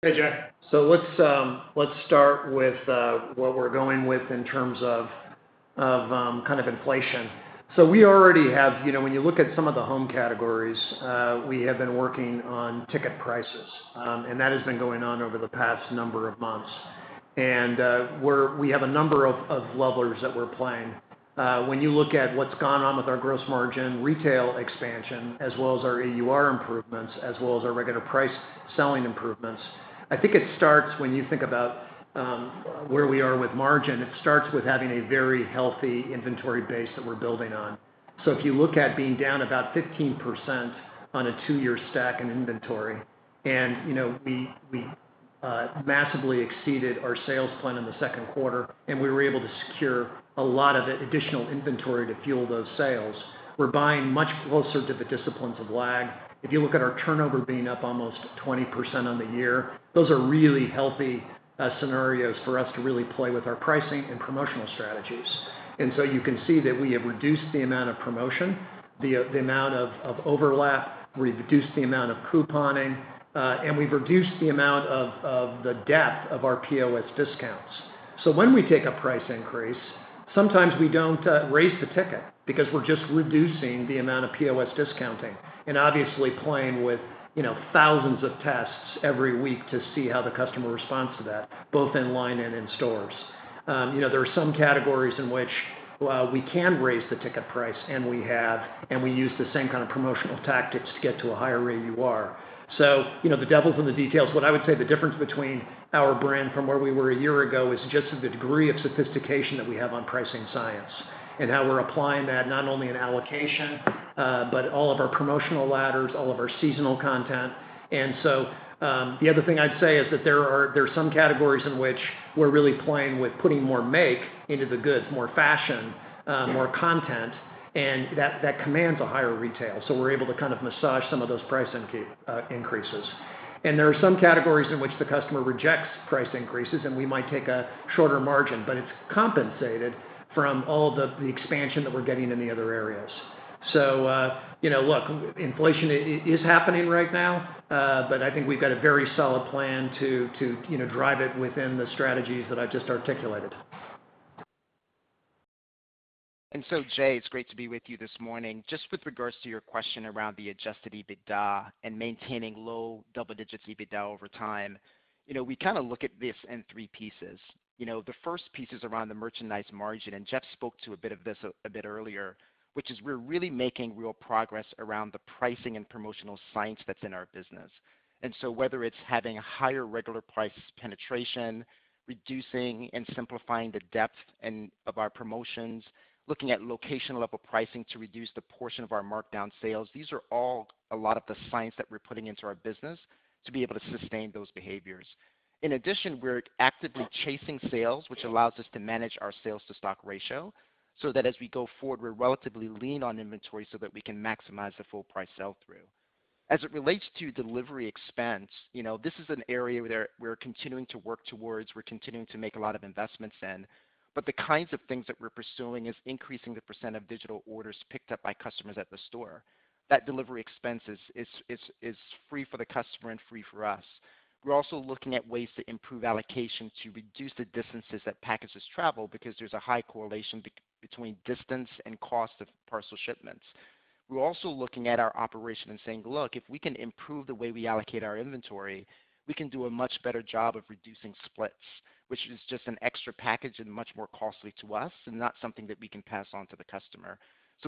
Hey, Jay. Let's start with what we're going with in terms of inflation. When you look at some of the home categories, we have been working on ticket prices. That has been going on over the past number of months. We have a number of levers that we're playing. When you look at what's gone on with our gross margin rate expansion, as well as our AUR improvements, as well as our regular price selling improvements, I think it starts when you think about where we are with margin. It starts with having a very healthy inventory base that we're building on. If you look at being down about 15% on a two-year stack in inventory, we massively exceeded our sales plan in the second quarter, we were able to secure a lot of additional inventory to fuel those sales. We're buying much closer to the disciplines of line. If you look at our turnover being up almost 20% on the year, those are really healthy scenarios for us to really play with our pricing and promotional strategies. You can see that we have reduced the amount of promotion, the amount of overlap. We've reduced the amount of couponing, and we've reduced the amount of the depth of our POS discounts. When we take a price increase, sometimes we don't raise the ticket because we're just reducing the amount of POS discounting and obviously playing with thousands of tests every week to see how the customer responds to that, both online and in stores. There are some categories in which we can raise the ticket price, and we have, and we use the same kind of promotional tactics to get to a higher AUR. The devil's in the details. What I would say the difference between our brand from where we were a year ago is just the degree of sophistication that we have on pricing science and how we're applying that not only in allocation, but all of our promotional ladders, all of our seasonal content. The other thing I'd say is that there are some categories in which we're really playing with putting more make into the goods, more fashion, more content, and that commands a higher retail. We're able to massage some of those price increases. There are some categories in which the customer rejects price increases, and we might take a shorter margin, but it's compensated from all the expansion that we're getting in the other areas. Look, inflation is happening right now, but I think we've got a very solid plan to drive it within the strategies that I've just articulated. Jay, it's great to be with you this morning. Just with regards to your question around the adjusted EBITDA and maintaining low double-digit EBITDA over time. We look at this in three pieces. The first piece is around the merchandise margin, and Jeff spoke to a bit of this a bit earlier, which is we're really making real progress around the pricing and promotional science that's in our business. Whether it's having a higher regular price penetration, reducing and simplifying the depth of our promotions, looking at location-level pricing to reduce the portion of our markdown sales, these are all a lot of the science that we're putting into our business to be able to sustain those behaviors. In addition, we're actively chasing sales, which allows us to manage our sales-to-stock ratio, so that as we go forward, we're relatively lean on inventory so that we can maximize the full price sell-through. As it relates to delivery expense, this is an area where we're continuing to work towards, we're continuing to make a lot of investments in. The kinds of things that we're pursuing is increasing the percent of digital orders picked up by customers at the store. That delivery expense is free for the customer and free for us. We're also looking at ways to improve allocation to reduce the distances that packages travel because there's a high correlation between distance and cost of parcel shipments. We're also looking at our operation and saying, look, if we can improve the way we allocate our inventory, we can do a much better job of reducing splits, which is just an extra package and much more costly to us and not something that we can pass on to the customer.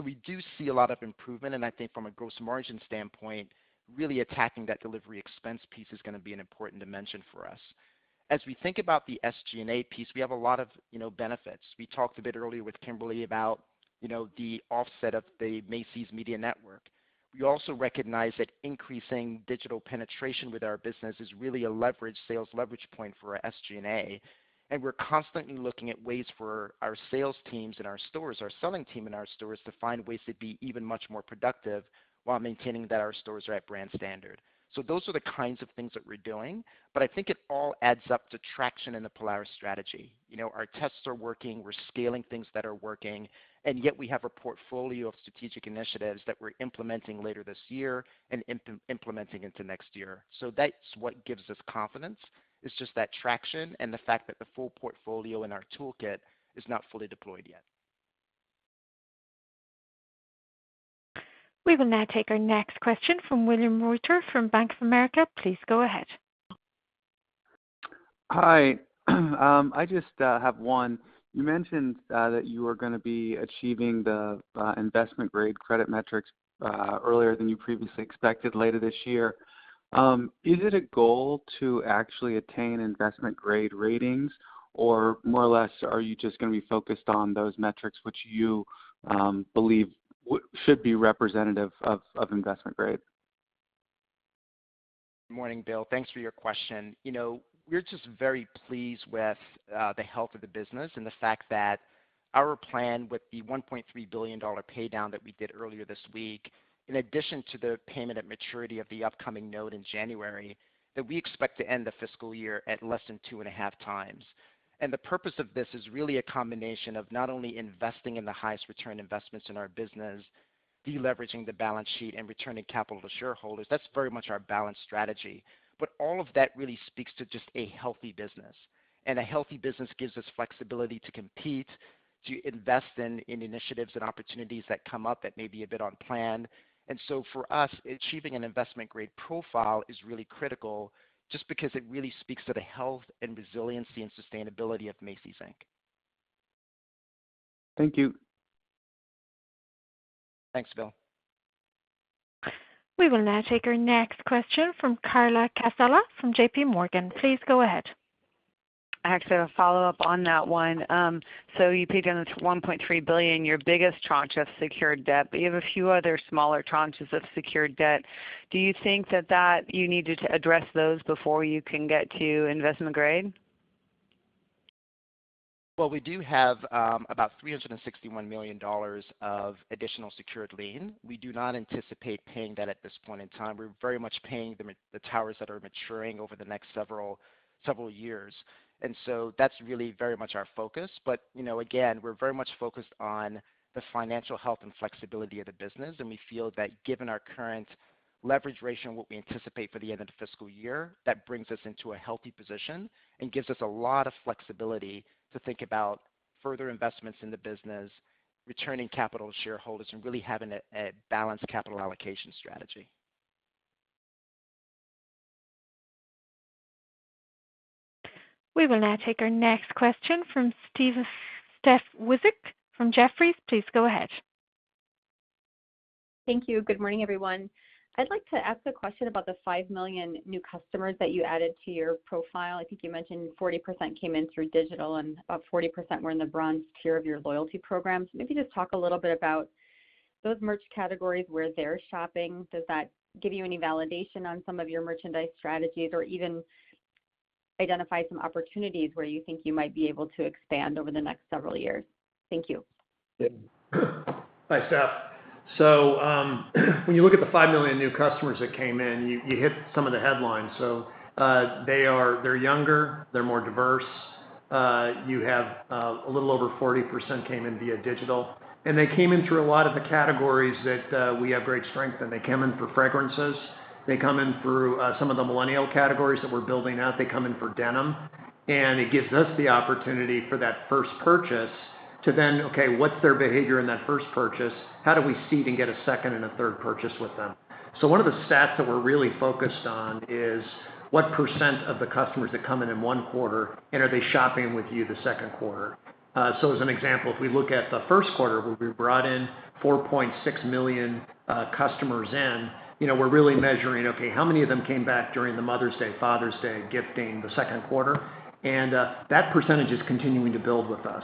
We do see a lot of improvement, and I think from a gross margin standpoint, really attacking that delivery expense piece is going to be an important dimension for us. As we think about the SG&A piece, we have a lot of benefits. We talked a bit earlier with Kimberly about the offset of the Macy's Media Network. We also recognize that increasing digital penetration with our business is really a leverage sales leverage point for our SG&A. We're constantly looking at ways for our sales teams in our stores, our selling team in our stores, to find ways to be even much more productive while maintaining that our stores are at brand standard. Those are the kinds of things that we're doing, but I think it all adds up to traction in the Polaris strategy. Our tests are working. We're scaling things that are working, and yet we have a portfolio of strategic initiatives that we're implementing later this year and implementing into next year. That's what gives us confidence, is just that traction and the fact that the full portfolio in our toolkit is not fully deployed yet. We will now take our next question from William Reuter from Bank of America. Please go ahead. Hi. I just have one. You mentioned that you are going to be achieving the investment grade credit metrics earlier than you previously expected later this year. Is it a goal to actually attain investment grade ratings, or more or less, are you just going to be focused on those metrics which you believe should be representative of investment grade? Morning, Bill. Thanks for your question. We're just very pleased with the health of the business and the fact that our plan with the $1.3 billion pay down that we did earlier this week, in addition to the payment at maturity of the upcoming note in January, that we expect to end the fiscal year at less than 2.5x. The purpose of this is really a combination of not only investing in the highest return investments in our business, de-leveraging the balance sheet, and returning capital to shareholders. That's very much our balance strategy. All of that really speaks to just a healthy business. A healthy business gives us flexibility to compete, to invest in initiatives and opportunities that come up that may be a bit unplanned. For us, achieving an investment grade profile is really critical just because it really speaks to the health and resiliency and sustainability of Macy's, Inc. Thank you. Thanks, Bill. We will now take our next question from Carla Casella from JPMorgan. Please go ahead. I actually have a follow-up on that one. You paid down this $1.3 billion, your biggest tranche of secured debt, but you have a few other smaller tranches of secured debt. Do you think that you needed to address those before you can get to investment grade? We do have about $361 million of additional secured lien. We do not anticipate paying that at this point in time. We're very much paying the towers that are maturing over the next several years. That's really very much our focus. Again, we're very much focused on the financial health and flexibility of the business, and we feel that given our current leverage ratio and what we anticipate for the end of the fiscal year, that brings us into a healthy position and gives us a lot of flexibility to think about further investments in the business, returning capital to shareholders, and really having a balanced capital allocation strategy. We will now take our next question from Steph Wissink from Jefferies. Please go ahead. Thank you. Good morning, everyone. I'd like to ask a question about the 5 million new customers that you added to your profile. I think you mentioned 40% came in through digital and about 40% were in the Bronze Tier of your loyalty programs. Maybe just talk a little bit about those merch categories, where they're shopping. Does that give you any validation on some of your merchandise strategies or even identify some opportunities where you think you might be able to expand over the next several years? Thank you. Hi, Steph. When you look at the 5 million new customers that came in, you hit some of the headlines. They're younger, they're more diverse. You have a little over 40% came in via digital, and they came in through a lot of the categories that we have great strength in. They came in through fragrances. They come in through some of the millennial categories that we're building out. They come in for denim. It gives us the opportunity for that first purchase to what's their behavior in that first purchase? How do we seed and get a second and a third purchase with them? One of the stats that we're really focused on is what % of the customers that come in in one quarter, and are they shopping with you the second quarter. As an example, if we look at the first quarter where we brought in 4.6 million customers in, we're really measuring, okay, how many of them came back during the Mother's Day, Father's Day gifting the second quarter? That percentage is continuing to build with us.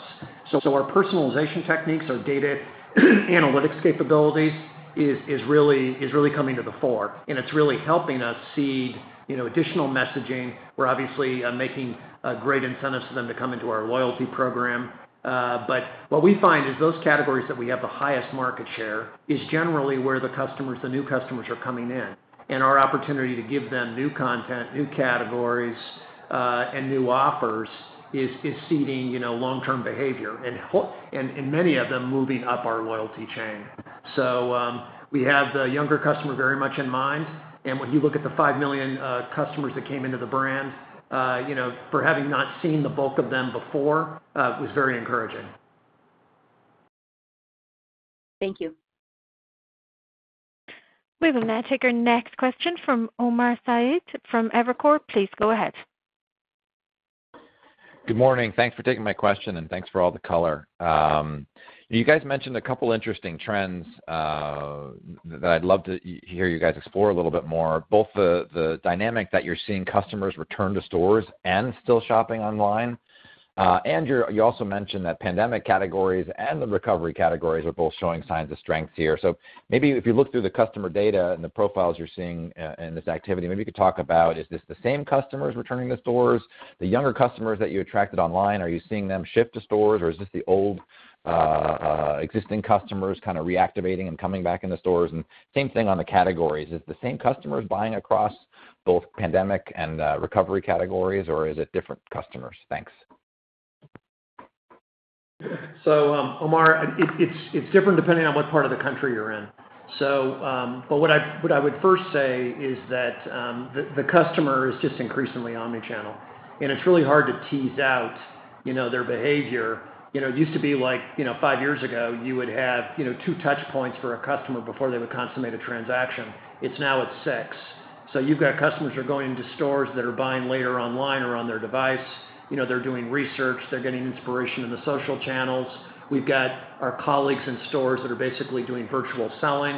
Our personalization techniques, our data analytics capabilities is really coming to the fore, and it's really helping us seed additional messaging. We're obviously making a great incentive for them to come into our loyalty program. What we find is those categories that we have the highest market share is generally where the new customers are coming in. Our opportunity to give them new content, new categories, and new offers is seeding long-term behavior, and many of them moving up our loyalty chain. We have the younger customer very much in mind, and when you look at the 5 million customers that came into the brand, for having not seen the bulk of them before, was very encouraging. Thank you. We will now take our next question from Omar Saad from Evercore. Please go ahead. Good morning. Thanks for taking my question, and thanks for all the color. You guys mentioned a couple interesting trends that I'd love to hear you guys explore a little bit more, both the dynamic that you're seeing customers return to stores and still shopping online. You also mentioned that pandemic categories and the recovery categories are both showing signs of strength here. Maybe if you look through the customer data and the profiles you're seeing in this activity, maybe you could talk about, is this the same customers returning to stores? The younger customers that you attracted online, are you seeing them shift to stores, or is this the old existing customers kind of reactivating and coming back in the stores and same thing on the categories. Is the same customers buying across both pandemic and recovery categories, or is it different customers? Thanks. Omar Saad, it's different depending on what part of the country you're in. What I would first say is that the customer is just increasingly omni-channel, and it's really hard to tease out their behavior. It used to be five years ago, you would have two touch points for a customer before they would consummate a transaction. It's now at six. You've got customers who are going into stores that are buying later online or on their device. They're doing research. They're getting inspiration in the social channels. We've got our colleagues in stores that are basically doing virtual selling.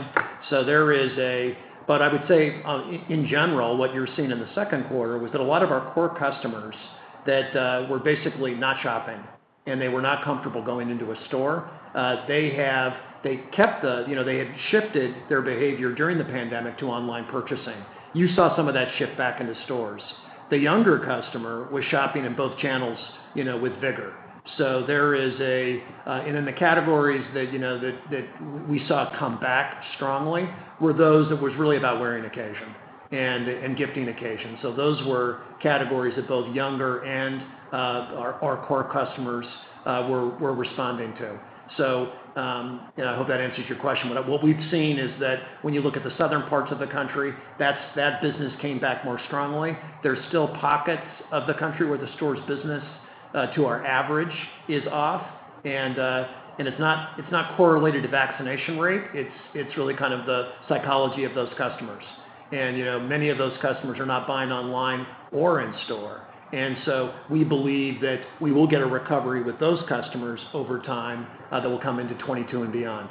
I would say, in general, what you're seeing in the second quarter was that a lot of our core customers that were basically not shopping, and they were not comfortable going into a store. They had shifted their behavior during the pandemic to online purchasing. You saw some of that shift back into stores. The younger customer was shopping in both channels with vigor. In the categories that we saw come back strongly were those that was really about wearing occasion and gifting occasion. Those were categories that both younger and our core customers were responding to. I hope that answers your question. What we've seen is that when you look at the southern parts of the country, that business came back more strongly. There's still pockets of the country where the stores' business to our average is off. It's not correlated to vaccination rate. It's really the psychology of those customers. Many of those customers are not buying online or in-store. We believe that we will get a recovery with those customers over time that will come into 2022 and beyond.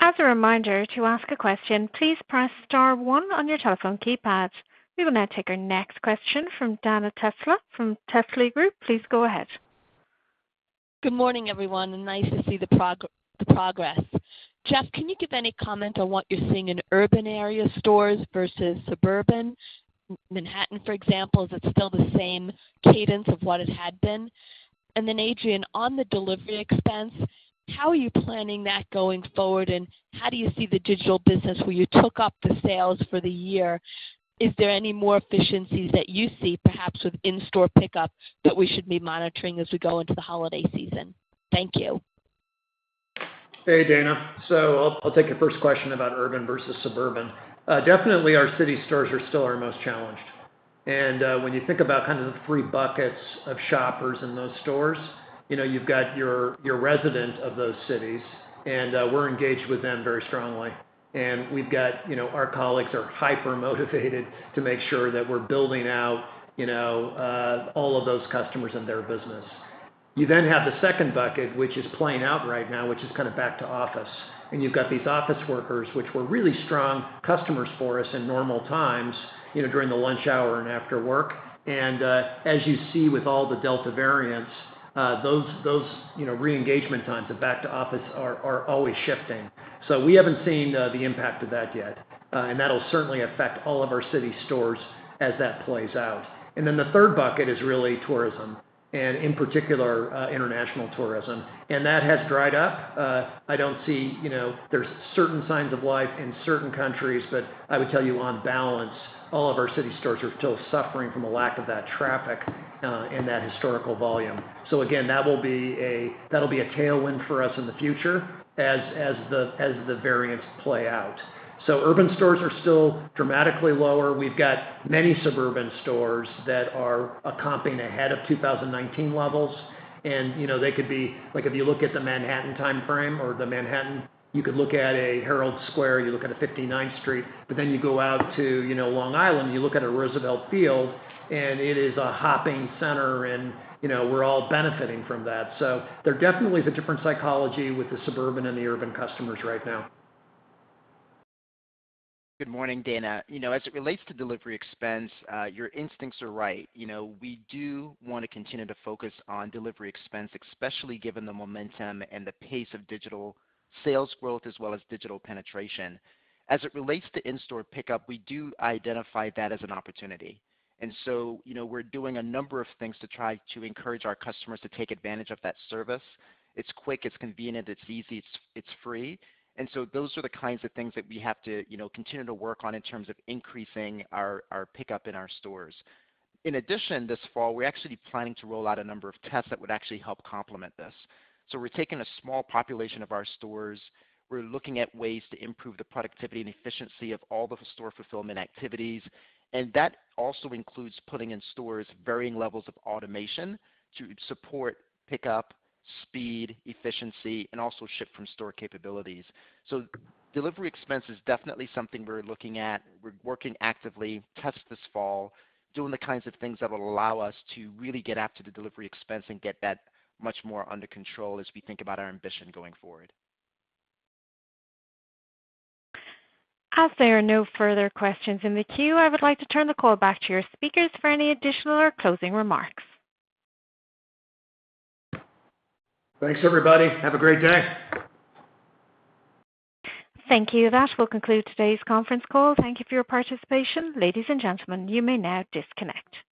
As a reminder, to ask a question, please press star one on your telephone keypad. We will now take our next question from Dana Telsey from Telsey Advisory Group. Please go ahead. Good morning, everyone. Nice to see the progress. Jeff, can you give any comment on what you're seeing in urban area stores versus suburban? Manhattan, for example, is it still the same cadence of what it had been? Then Adrian, on the delivery expense, how are you planning that going forward, and how do you see the digital business where you took up the sales for the year? Is there any more efficiencies that you see, perhaps with in-store pickup that we should be monitoring as we go into the holiday season? Thank you. Hey, Dana. I'll take the first question about urban versus suburban. Definitely, our city stores are still our most challenged. When you think about the three buckets of shoppers in those stores, you've got your resident of those cities, we're engaged with them very strongly. Our colleagues are hyper-motivated to make sure that we're building out all of those customers and their business. You then have the second bucket, which is playing out right now, which is back to office. You've got these office workers, which were really strong customers for us in normal times, during the lunch hour and after work. As you see with all the Delta variants, those re-engagement times of back to office are always shifting. We haven't seen the impact of that yet. That'll certainly affect all of our city stores as that plays out. The third bucket is really tourism and, in particular, international tourism. That has dried up. There's certain signs of life in certain countries, but I would tell you on balance, all of our city stores are still suffering from a lack of that traffic and that historical volume. Again, that'll be a tailwind for us in the future as the variants play out. Urban stores are still dramatically lower. We've got many suburban stores that are comping ahead of 2019 levels. If you look at the Manhattan timeframe or the Manhattan, you could look at a Herald Square, you look at a 59th Street, but then you go out to Long Island, you look at a Roosevelt Field, and it is a hopping center, and we're all benefiting from that. There definitely is a different psychology with the suburban and the urban customers right now. Good morning, Dana. As it relates to delivery expense, your instincts are right. We do want to continue to focus on delivery expense, especially given the momentum and the pace of digital sales growth, as well as digital penetration. As it relates to in-store pickup, we do identify that as an opportunity. We're doing a number of things to try to encourage our customers to take advantage of that service. It's quick, it's convenient, it's easy, it's free. Those are the kinds of things that we have to continue to work on in terms of increasing our pickup in our stores. In addition, this fall, we're actually planning to roll out a number of tests that would actually help complement this. We're taking a small population of our stores. We're looking at ways to improve the productivity and efficiency of all the store fulfillment activities. That also includes putting in stores varying levels of automation to support pickup, speed, efficiency, and also ship from store capabilities. Delivery expense is definitely something we're looking at. We're working actively, test this fall, doing the kinds of things that will allow us to really get after the delivery expense and get that much more under control as we think about our ambition going forward. As there are no further questions in the queue, I would like to turn the call back to your speakers for any additional or closing remarks. Thanks, everybody. Have a great day. Thank you. That will conclude today's conference call. Thank you for your participation. Ladies and gentlemen, you may now disconnect.